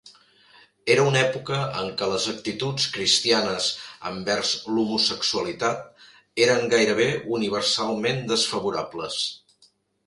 Era una època en què les actituds cristianes envers l'homosexualitat eren gairebé universalment desfavorables.